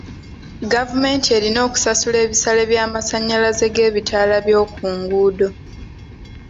Gavumenti erina okusasula ebisale by'amasannyalazze g'ebitaala by'oku nguudo.